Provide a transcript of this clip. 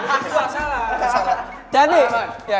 ah bau bing kebiasaan ya